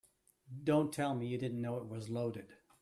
Don't tell me you didn't know it was loaded.